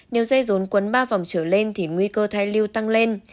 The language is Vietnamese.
nếu dây rốn quấn ba vòng trở lên thì nguy cơ thai lưu tăng lên